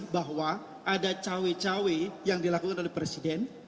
bahwa ada cawe cawe yang dilakukan oleh presiden